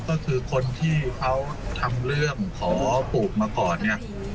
ก็คือคนที่เขาทำเรื่องขอปลูกมาก่อนเนี่ย